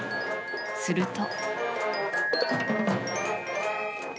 すると。